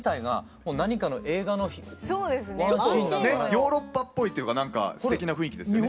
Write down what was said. ヨーロッパっぽいというかなんかすてきな雰囲気ですよね。